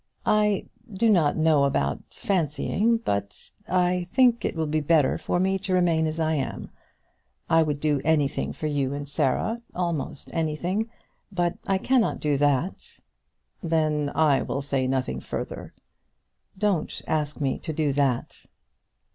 "I do not know about fancying; but I think it will be better for me to remain as I am. I would do anything for you and Sarah, almost anything; but I cannot do that." "Then I will say nothing further." "Don't ask me to do that."